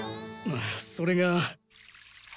それが。